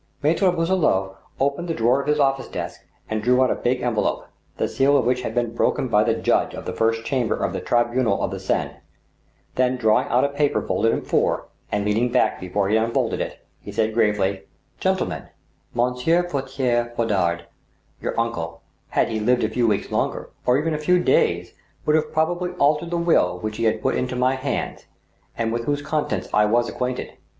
Maitre Boisselot opened the drawer of his office desk and drew out a big envelope, the seal of which had been broken by the judge of the First Chamber of the Tribunal of the Seine ; then drawing out a psLper folded in four, and leaning back before he unfolded it, he said gravely : "Gentlemen, Monsieur Mortier Fondard, your uncle, had he lived a few weeks longer, or even a few days, would have probably altered the will which he had put into my hands, and with whose contents I was acquainted.